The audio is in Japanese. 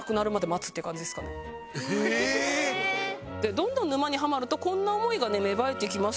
どんどん沼にハマるとこんな思いが芽生えてきます。